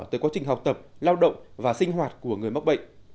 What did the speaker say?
tới quá trình học tập lao động và sinh hoạt của người mắc bệnh